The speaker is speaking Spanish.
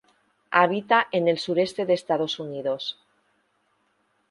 Habita en el Sureste de Estados Unidos.